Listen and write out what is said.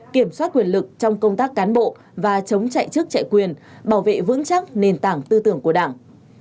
kiểm soát quyền lực trong công tác cán bộ và chống chạy chức chạy quyền bảo vệ vững chắc nền tảng tư tưởng của đảng